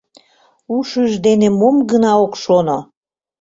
Ушыж дене мом гына ок шоно?!